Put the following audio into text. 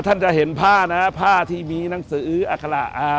ท่านจะเห็นผ้านะผ้าที่มีหนังสืออัคระอ่า